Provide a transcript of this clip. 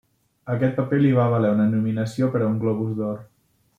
Aquest paper li va valer una nominació per a un Globus d'Or.